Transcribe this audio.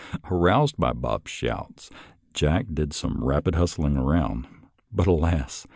Aroused by Bob's shouts, Jack did some rapid hustling around, but alas!